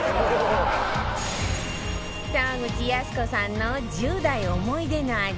沢口靖子さんの１０代思い出の味